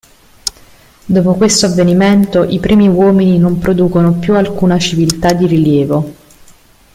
Dopo questo avvenimento, i Primi Uomini non producono più alcuna civiltà di rilievo.